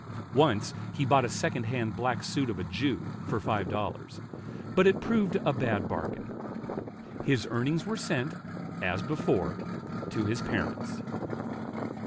Once he bought a second hand black suit of a Jew, for five dollars, but it proved a bad bargain. His earnings were sent, as before, to his parents.